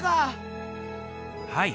はい。